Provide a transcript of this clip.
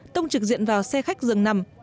tông trực diện vào xe khách dừng nằm